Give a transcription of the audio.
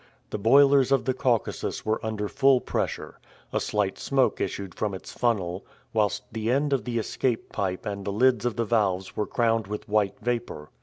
The boilers of the Caucasus were under full pressure; a slight smoke issued from its funnel, whilst the end of the escape pipe and the lids of the valves were crowned with white vapor.